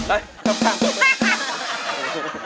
เอ้ยข้าง